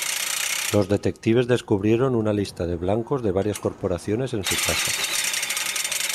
Los detectives descubrieron una lista de blancos de varias corporaciones en su casa.